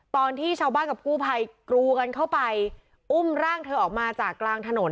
ตอนที่ชาวบ้านกับกู้ภัยกรูกันเข้าไปอุ้มร่างเธอออกมาจากกลางถนน